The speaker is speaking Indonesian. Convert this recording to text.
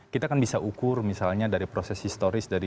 kita kan bisa ukur misalnya dari proses historis dari dua ribu sepuluh